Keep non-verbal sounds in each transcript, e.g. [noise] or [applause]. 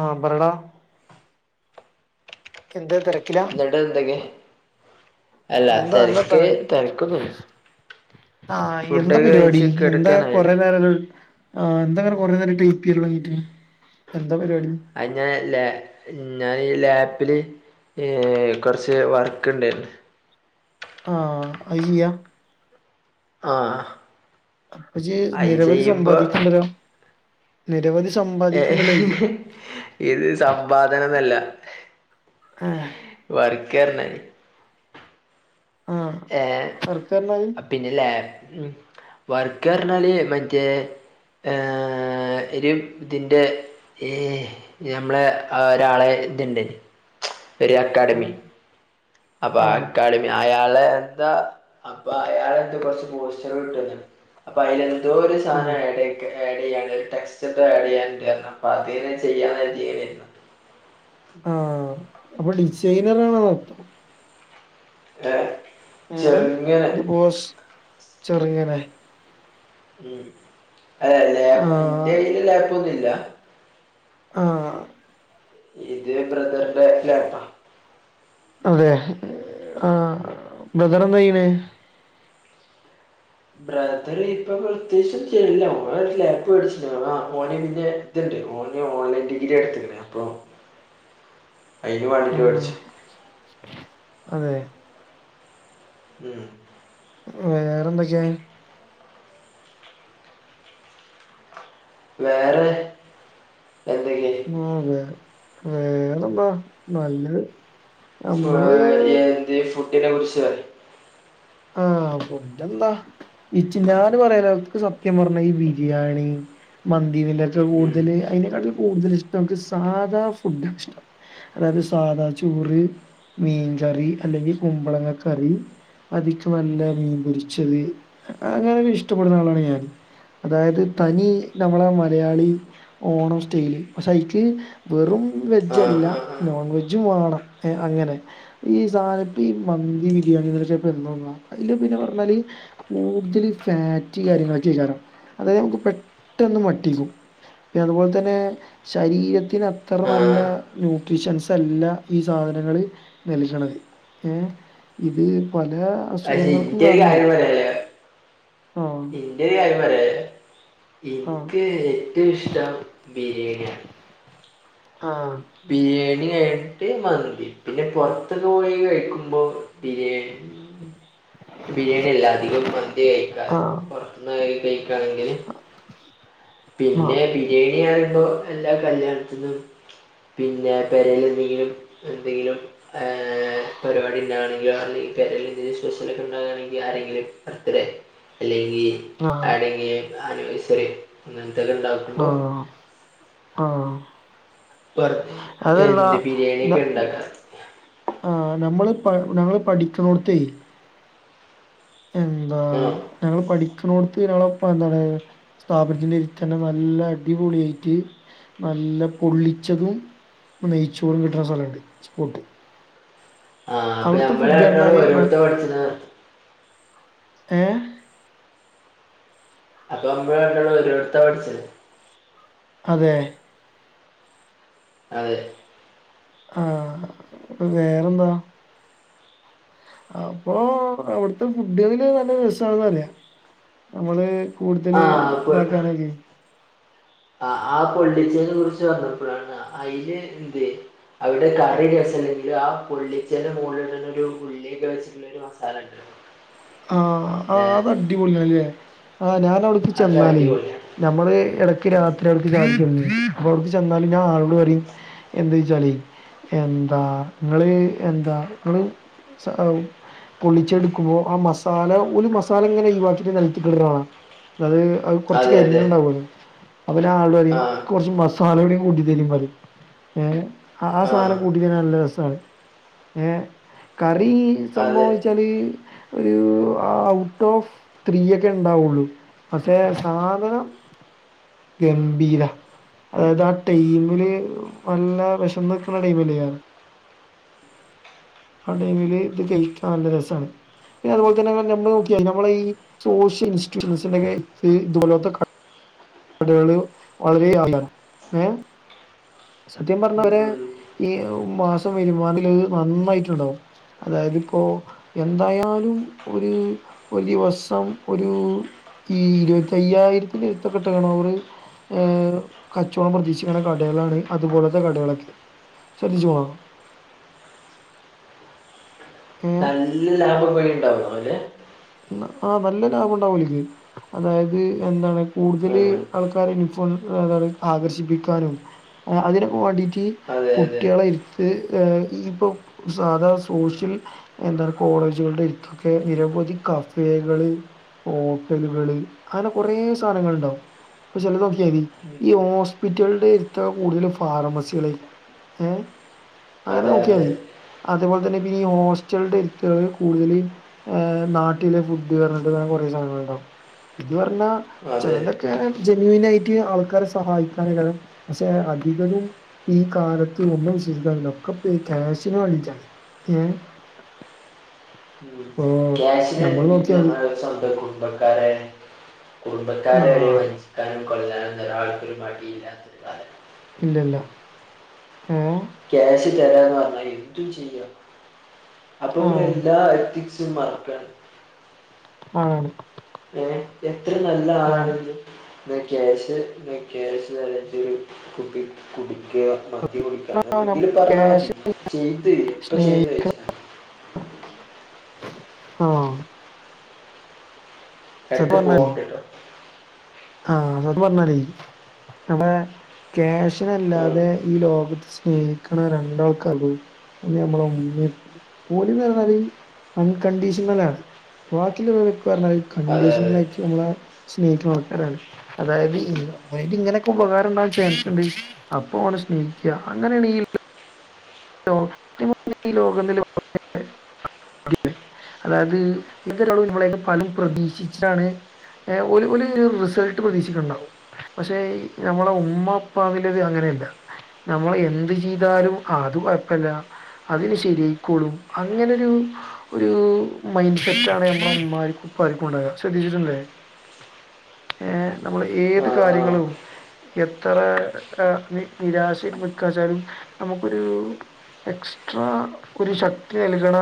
ആഹ് പറയെടാ എന്ത തെരക്കിലാ എന്നിട്ട് എന്തൊക്കെ അല്ല എന്താ അന്റെ തെരക്ക് വർത്താനം തെരക്കൊന്നുല്ല ആഹ് എന്ത പരിവാടി കഴിച്ച് എന്താ കിടക്കാനായില്ലേ കൊറേ നേരം [unintelligible] ആഹ് എന്ത കുറേ നേരയലൊ ടൈപ്പിയ്യലൊട്ങ്ങിട്ട് എന്ത പരിവാടി അയ്ഞ്ഞെ ലേ ഞാനീ ലാപ്പ്ല് ഏഹ് കൊർച്ച് വർക്ക്ണ്ടേര്ന്നു ആഹ് അത് ചെയ്യാ. ആഹ് അപ്പ ജ്ജ് നിരവധി സമ്പാദിക്ക്ണ് ണ്ടല്ലോ നിരവധി സമ്പാ ഇത് സമ്പാദനൊന്നും അല്ല ആഹ്. വർക്ക് തന്നെ ആഹ് ഏഹ് സർക്കാരിനായി പിന്നെല്ലെ വർക്ക് പറഞ്ഞാല് മറ്റേ ഏഹ് [unintelligible] ഇതിൻ്റെ ഏഹ് ഞമ്മളെ ഒരാളെ ഇത്ണ്ട് ഒര് അക്കാഡമി ആഹ് അപ്പൊ ആ ആഹ് അക്കാഡമി അയാള് എന്താ അപ്പൊ അയാള് എന്തൊ കൊറച്ച് പോസ്റ്ററ് ഇട്ട് തന്ന്. അപ്പൊ അയില് എന്തോ ഒര് സാധനം ആഹ് ആഡ് ആഡ് ചെയ്യാൻ ഉള്ളത് ടെക്സ്റ്റ് ഒക്കെ അഡീയ്യാന്ണ്ട് എന്നാ ഇപ്പ അതന്നെ ചെയ്യാന്ന് കരുതി [unintelligible] ആഹ് അപ്പൊ ഡിസൈനറാണൊ [unintelligible] ഏഹ് ഏഹ് ഇത് പോസ് [unintelligible] ഉം അതെ ലാപ്പ് ഇന്റെ ആഹ് കയ്യില് ലാപ്പൊന്നും ഇല്ല ആഹ് ഇത് ബ്രദറ്ന്റെ ലാപ്പാ അതെ ആഹ് ബ്രദറെന്താ ചെയ്യണെ ബ്രദറിപ്പൊ പ്രത്യേകിച്ചു ഒന്നും ചെയ്യണില്ല ഓന് ഒരു ലാപ്പ് വേടിച്ചു ഓൻ അക്കൗണ്ടിങ്ങിന്റെ [unintelligible] ഓന് ഓൺലൈൻ ഡിഗ്രി എട്ത്ത്ക്കണ് അപ്പൊ അതിന് വേണ്ടിട്ട് ആഹ് മേടിച്ചു അതെ മ്ഹ് വേറെന്തൊക്കെയാ വേറെ എന്തെക്കെയ ആഹ് അതെ വേറെന്താ നല്ലത് ഫു- നമ്മള് എന്ത് [unintelligible] ആഹ് ഫുഡ്‌ എന്താ [unintelligible] പറയാൻ അവർക്ക് സത്യം പറഞ്ഞാ ഈ ബിരിയാണി മന്തി ഇതിന്റെ [unintelligible] ഉം. കൂടുതല് അതിനെ ക്കാട്ടില് കൂടുതല് ഇഷ്ടം നമുക്ക് സാധാ ഫുഡാണ് ഇഷ്ടം അതായത് സാദാ ചോറ് മീൻകറി അല്ലെങ്കിൽ കുമ്പളങ്ങ കറി അതിക്ക് നല്ല മീൻ പൊരിച്ചത്. അങ്ങനെക്കെ ഇഷ്ടപ്പെടുന്ന ആളാണ് ഞാൻ അതായത് തനി നമ്മള മലയാളി ഓണം സ്റ്റൈല് പക്ഷെ അയിക്ക് വെറും ആ വെജ്ജല്ല ആ ആ നോൺ വെജും വേണം ഏഹ് അങ്ങനെ ഈ സാധന ഇപ്പൊ ഈ മന്തി ബിരിയാണി [unintelligible] [unintelligible] അയില് പിന്നെ പറഞ്ഞാല് കൂടുതല് ഫാറ്റ് കാര്യങ്ങളൊക്കെയാ കാരണം അത് നമുക്ക് പെട്ടന്ന് മട്ടിക്കും. [unintelligible] അതുപോലെ തന്നെ ശരീരത്തിന് അത്ര ആ നല്ല ന്യൂട്രിഷ്യൻസ് അല്ല ഈ സാധനങ്ങള് [unintelligible] ഏഹ് ഇത് പല പക്ഷെ അസുഖങ്ങൾക്കും ഇന്റെ ഒരു കാരണാവും കാര്യം ആഹ് എനിക്കൊരു കാര്യം [unintelligible] ആ എനിക്ക് ഏറ്റവും ഇഷ്ടം ബിരിയാണിയാണ്. ആഹ് ബിരിയാണി കഴിഞ്ഞിട്ട് മന്തി. പിന്നെ പൊറത്തൊക്കെ പോയി കഴിക്കുമ്പോ ബിരിയാണി ഉം ബിരിയാണി അല്ല അധികം മന്തി കഴിക്കാ ആ പൊറത്തുന്ന് [unintelligible] കഴിക്കാണെങ്കില് ആ പിന്നെ ബിരിയാണി കാണുമ്പോ എല്ലാ കല്യാണത്തിനും പിന്നെ പേരേല് എന്തെങ്കിലും എന്തെങ്കിലും ഏഹ് പരിപാടി ഉണ്ടാവണെ [unintelligible] ആരെങ്കിലും ബർത്ത് ഡേ അല്ലെങ്കി. ആ അവിടെങ്കില് ആനിവേഴ്സറി അങ്ങനത്തേക്ക ഇണ്ടാവും ആഹ ആഹ പറ എന്ത് ബിരിയാണിയ ഒക്കെ ഉണ്ടാക്കാം ആ് നമ്മള് ഞങ്ങള്ൾ പഠിക്കണോടത്തേ ഉന്ത ഹ ഞങ്ങള്ൾ പഠിക്കുന്നോടത്ത് ഞങ്ങളപ്പ എന്താണ് സ്ഥാപനത്തിന്റെ ഇൽ തന്നെ നല്ല അടിപൊളിയായിട്ട് നല്ല പൊള്ളിച്ചതും നെയ് ചോറും കിട്ടണ സ്ഥലുണ്ട് സ്പോർട്ട് ആഹ് അപ്പൊ ഞമ്മള്ണ്ടാളും ഓരോത്ത പഠിച്ച ആഏ അപ്പൊ മ്മള് രണ്ടാളും ഒരുോടത്ത പഠിച്ചത് അതെ അതെ ആഹ് വേറെന്തുവാ അപ്പോ അവിടത്തെ ഫുഡ്ഡുകളിലെ നല്ല രസാവന്നു പറയാം നമ്മളേ ആ കൂടുതല് പൊ ഇതാക്കാനക്കെ ആ ആ പൊള്ളിച്ചേെ കുറിച്ച് വന്നപ്പോഴാണ് അതില് എന്ത് അവിടെ കറി രസംല്ലെങ്കിൽ ആ പൊ ള്ളിച്ചല മുകളിൽ ഒരു ഉള്ളിയൊക്കെ വെച്ചിട്ട മസാല ഉണ്ട് ആഹ ഏ ആ് അത്ടിപൊളിിയല്ലേ ആ് ഞാനവിടെ അത് ാല അടിപൊളിയാണ് നമ്മള് ഇടക്ക് ഉം. രാത്രി ഇ അപ്പൊ അവർക്ക് ചെന്നാലും ഞാൻ ആളോട് പറയും എന്താച്ചളി എന്താ നിങ്ങള് എന്താ നിങ്ങള് പൊള്ളിച്ചെടുക്കുമ്പോ ആഹ് മസാല ഓല് മസാല ഇങ്ങനെ ഒയിവാക്കിട്ട് നിലത്തിക്കിട ടാ അത് കൊറച്ചെ അതെ അതെ കരിഞ്ഞതുണ്ടാവുമല്ലോ അവര് ആള ആ കൊറച്ചെ മസാല പാലടയും കൂട്ടി തരും അത് ഏ ആഹ് ആ സാധനം കൂട്ടി തിന്നാൻ നല്ല രസാണെ ഏഹ് കറീ അതെ സമ്പെച്ചാല് ഒരു ഔട്ട് ഓഫ് ത്രീ ഒക്കേ ഇണ്ടാവുള്ളൂ പക്ഷേ സാധനം ഗംഭീരാ അതായത് ആ ടൈമില് നല്ല വെശന്നിട്ടുള്ള ടൈമിലിയാ [inaudible] ആഹ് ടൈമിലേ [unintelligible] ഇത് കയ്ക്കാൻ നല്ല രസാണ് പിന്നതുപോലത്തന്നെ നമ്മളെ നോക്കിയാ നമ്മളീസോഷ്യ ഇൻസ്റ്റിറ്റ്യൂഷനൊക്കെ ഇത് പോലൊത്ത കട്ട് [unintelligible] വളരെ ആധാരം ഏഹ് സത്യം ഉം, പറഞ്ഞവരെ ഉം. ഈ മാസം വരുമാനം നന്നായിട്ടുണ്ടാവും അതായതിപ്പോ എന്തായാലും ഒരു ഒരിവസം ഒരു ഈ ഇരുപത്തിയ്യായിരത്തിന്റെ എടുത്ത കിട്ടണരോറെ ഏഹ് കച്ചവടം പ്രതീക്ഷിക്കുന്ന കടകളാണ് അതുപോലത്തെ കടകളൊക്കെ ശ്രെദ്ധിച്ചോണ ഏഹ് വല്ല ലാഭവും ഉണ്ടാകുവോ അതില് ആഹ് നല്ല ലാഭം ഉണ്ടാവും ഒലിക് അതായത് എന്താണ് കൂടുതലെ ഉം. ആൾക്കാരെ ഇൻഫോൺ ആകർഷിപ്പിക്കാനും ആഹ് അതിനൊപ്പം വേണ്ടിട്ട് അതെ അതെ കുട്ടികളെ ഇരുത്ത് ഈ ഏ ഇപ്പം സാധാ സോഷ്യൽ എന്താ കോളേജുകളുടെ ഇത്തൊക്കെ നിരവധി കഫേകളെ ഹോട്ടലുകളെ അങ്ങനെ കൊറേ സാധനങ്ങൾ ഉണ്ടാവും അപ്പ ചിലതൊക്കെനോക്യ ഉം. മതി ഹോസ്പിറ്റലകളുടെ അടുത്താ കൂടുതലും ഫാർമസികളേ [inaudible] അങ്ങനെ അതെ നോക്കിയാതി അതേപോലെ തന്നെ പിന്നെ ഈ ഹോസ്റ്റൾടെ അടുത്താണ് കൂടുതലെ ഏ നാ ഫുഡ്ഡു പോലത്തെ കുറെ സാധനങ്ങളുണ്ടാവും ഇതു പറഞ്ഞാൽ അതെ ചെലതൊക്കെ ജെനുവിനായിട്ടേ ആൾക്കാരെ സഹായിക്കാനാകും പക്ഷെ അധികവും ഈ കാലത്ത് ഒന്നും ചിന്തകളില്ല ഒക്കെ പോയി കാശിനുവേണ്ടീട്ടാണ് ഏഹ് ഉം ഓ [unintelligible] ഞമ്മള് നോക്കിയാൽ മതി സ്വന്ത കുടുംബക്കാരായ കുടുംബക്കാരെ ആ തല്ലാനും കൊല്ലാനും ഒരാൾക്കൊരു മടിയില്ലാത്തൊരു കാലം ഇല്ലില്ല ഏ ക്യാഷു തരാന്ന് പറഞ്ഞാ എന്തും ചെയ്യാം അപ്പം ആ ഇവിടെ എന്താ ആക്ടിങ് സിമർക്ക ആണ് ഏ എത്ര നല്ല ആ ആളാണത് എന്ന ക്യാഷെ ക്യാഷ് നല്ല [unintelligible] കുപ്പി കുടിക്കുക ആ, നമ്മൾ എന്തെങ്കിലും പറഞ്ഞാ മതി ക്യാഷ് ചീറ്റ് ചെയ്ത് എപ്പൊ ചെയ്ത് ചച്ച [inaudible] [inaudible] ആഹ് സത്യം ഇടക് പോവ പറഞ്ഞാലേ കേട്ടോ ആ അതൊന്ന് പറഞ്ഞാലേ ഞങ്ങടെ ആ, ക്യാഷിനല്ലാതെ ഈ ലോകത്തെ സ്നേഹിക്കണ രണ്ടാൾക്കാടൂ നമ്മള [unintelligible] ഓല്ന്ന് പറഞ്ഞാല് അൺകണ്ടീഷണൽ ആണ് ബാക്കിയുള്ളോരൊക്കെ പറഞ്ഞാ അതെ അതെ കണ്ടീഷണൽ ആയിട്ട് നമ്മളെ സ്നേഹിക്കണ ആൾ ആഹ് അതായത് ഇങ്ങനെയൊക്കെ ഉപകാരംഉണ്ടാവാൻ ചാൻസ് ഉണ്ട് അപ്പൊ ഓനെ സ്നേഹിയ്ക്ക അങ്ങനാണീങ്കി ലോകൽ [unintelligible] അതായത് ഏന്തൊരാളും ഇവിടൊ ക്കെ ഫലം പ്രതീക്ഷിച്ചിട്ടാണ് എ ഒരു ഒല് റിസൾട്ട് പ്രതീക്ഷിക്ക് ണ്ടാവും പക്ഷെ നമ്മളെ ഉമ്മപ്പവിലത് അങ്ങനെല്ല നമ്മൾ എന്ത് ചെയ്താലും അത് കുഴപ്പല്ല അതിനി ശരിയയിക്കോളും അങ്ങനെരു ഒരു മൈൻഡ് സെറ്റാണ്ഞമ്മളെമ്മാർക്കും പ്പാർക്കു ണ്ടാക ശ്രദ്ധിച്ചിട്ടല്ലേ [inaudible] ഏ നമ്മളെ ഏത് ആ ആ കാര്യങ്ങളും എത്ര നി നിരാശ നിൽക്കുകച്ചാലും നമുക്കൊരു എക്സ്ട്രാ ഒരു ശക്തി നൽകണ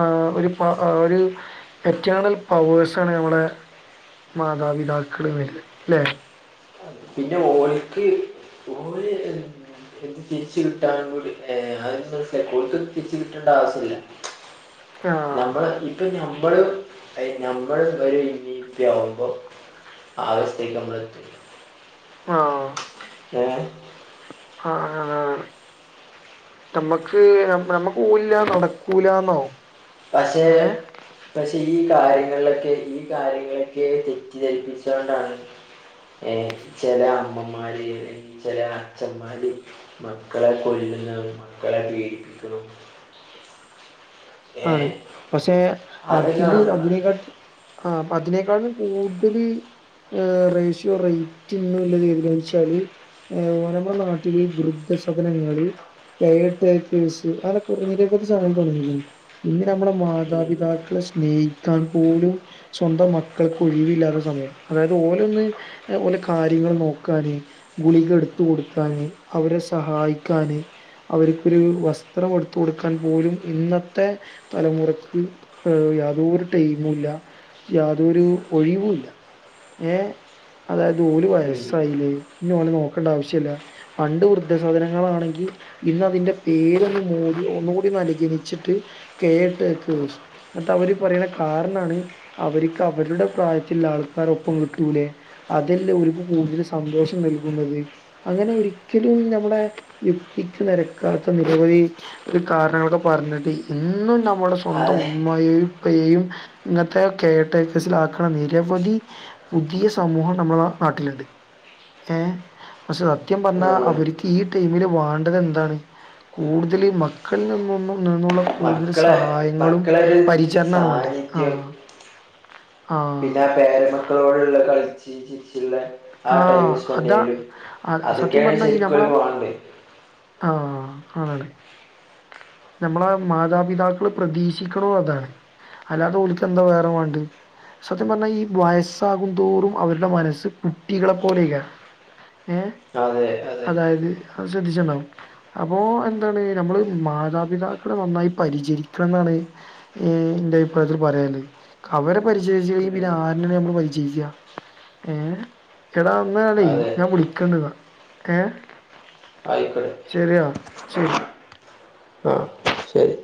ആ ഒരു പ ഒരു എറ്റേണൽ പവേഴ്സണ് ഞമ്മടെ മാതാപിതാക്കൾ [unintelligible] ല്ലെ പിന്നെ ഓൽക്ക് ഓല് [unintelligible] എന്ത് തിരിച്ച കിട്ടൻ കൂടി [unintelligible] തിരിച്ച് കിട്ടേണ്ട ആവശ്യമില്ല ആഹ് ഞമ്മള് ഇപ്പൊ ഞമ്മള് ഞമ്മള് ഒരു ഇമ്മിം പ്പിം ആവുമ്പോ ആകസ്ത്തേക്കമ്പള ആഹ് [inaudible] ഹാ [inaudible] ഞമ്മക്ക് നമ്മുക്കോല് ല്ലാതെ നടക്കൂലാന്നാവും പക്ഷെ പക്ഷെ ഈ കാര്യങ്ങളിലൊക്കെ ഈ കാര്യങ്ങളൊക്കെ തെറ്റിദ്ധരിപ്പിച്ചോണ്ടാണ് ഏ ചെല അമ്മമാര് ചെല അച്ഛന്മാര് മക്കളെ കൊല്ലുന്നവര് മക്കളെ പീഡപ്പി ക്ക്ണു ആണ്. പക്ഷെ അതൊക്കെ അതില് കാണുമ്പോഴാണ് അതിനേക്കാട്ട് ആ അപ്പൊ അതിനേക്കാളും കൂടുതല് റേഷ്യോ റേറ്റ് ഒന്നും ല്ലഏച്ചാല് ഏ ഓ നമ്മളെ നാട്ടിലീ വൃദ്ധസദനങ്ങള് കൈട്ട കേഴസ് ആ നിരെ കുറച്ച്ണങ്ങ തുടങ്ങിരുന്നു [unintelligible] [inaudible] ഇന്ന് നമ്മള ഉം മാതാപിതാക്കളെ സ്നേഹിക്കാൻ പോലും സ്വന്തം മക്കൾക്ക് ഒഴിവില്ലാത്ത സമയം അതായത് ഓലൊന്ന് എ ഓലെ കാര്യങ്ങള് നോക്കാന് ഗുളികട്ത്ത് കൊടുക്കാന്, അവരെ സഹായിക്കാന് അവർക്കൊരു വസ്ത്രം എടുത്തു കൊടുക്കാൻ പോലും ഇന്നത്തെ മത്തെ തലമുറക്ക് യാതൊ ഒരു ടൈമു ഇല്ല യാതൊരു ഒഴിവുല്ല. ഏ അതായത് ഓല് ഉം വയസായീലേ ഇന്നോല് നോക്കണ്ട ആവശ്യല്ല പണ്ട് വൃദ്ധസധനങ്ങളാണെങ്കിൽ ഇന്ന് അതിന്റെ പേരൊന്ന് മോടി ഒന്നുകൂടി ഒന്നനുകരിച്ചിട്ട് ല് കേട്ട കുഷ് എന്നട്ട് അവര് പറയണ കാരണാണ് അവർക്ക് അവരുടെ പ്രായത്തിൽ ആൾക്കാർ ഒപ്പം കിട്ടൂലേ അതല്ലേ ഒരുക്ക് കൂടുതൽ സന്തോഷം നൽകുന്നത് അങ്ങനെ ഒരിക്കലും നമ്മുടെ യുക്തിക്ക് നിരക്കാത്ത നിരവധി ഒരു കാരണങ്ങളൊക്കെ പറഞ്ഞിട്ട് ന്നും നമ്മുടെ സ്വന്തം അതെ ഉമ്മയും [unintelligible] ഇങ്ങനത്തെ കേടൈക്കസില ആക്ക്ണ നിരവധി പുതിയ സമൂഹം നമ്മളെ നാട്ടിലുണ്ട് ക്ഷേ പക്ഷെ സത്യം പറഞ്ഞാ ഉം. അവര്ക്ക് ഈ ടൈമില് വാണ്ടതെന്താണ് കൂടുതല് മക്കൾ നിന്നൊന്നും നിന്നുള്ള കൂടുതല് മക്കളെ സഹായങ്ങളും മക്കളെ ഒരു പരിചരണാണ് വേണ്ടത് സാന്നിധ്യം ആഹ് പിന്നെ ആ പേരമക്കളോടുള്ള കൾച്ചീരിം ള്ള ആ ടൈ അതാ സ്പെൻഡെയലും അ- സത്യം അതൊക്കെയ ശരിക്കും ഓൽക്ക് വാണ്ട്യ ആഹ് ആണ് നമ്മളെ മാതാപിതാക്കള് പ്രതീക്ഷിക്കണും അതാണ് അല്ലാതെ ഓല്ക്ക് എന്താ വേറെ വാണ്ടി സത്യം പറഞ്ഞാ ഈ വയസ്സ്ആകും തോറും അവരുടെ മനസ്സ് കുട്ടികളപൊ ലൈക്കാരം ഏ അതെ അതെ അതായത് അ ശ്രദ്ധിചിട്ട്ണ്ടാവും അപ്പോ എന്താണ് നമ്മള് മാതാ മാതാപതാക്കളെ നന്നായി പരിചരിക്കണം ന്നാണ് എന്റെ അഭിപ്രായത്തിൽ പറയാൻള്ളത് അവരെ പരിചയിച്ച കഴി ഉം. പിന്നെ ആരെ നമ്മള് പരിചയിക്ക്യ ഏഹ് എടാ ന്നാളെ അതെ ഞാൻ വിളിക്കണ്ടന്നാ ഏഹ് ആയിക്കോട്ടെ ശരിയാ ശരി ആ ശരി